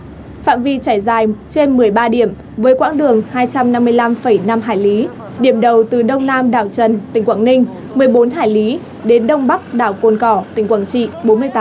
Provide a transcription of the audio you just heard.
phạm vi trải dài trên một mươi ba điểm với quãng đường hai trăm năm mươi năm năm hải lý điểm đầu từ đông nam đảo trần tỉnh quảng ninh một mươi bốn hải lý đến đông bắc đảo côn cỏ tỉnh quảng trị